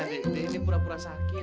sakit banget ini semua perut gue leher